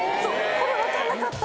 これわかんなかった。